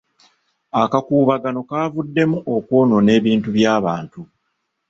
Akakuubagano kavuddemu okwonoona ebintu by'abantu.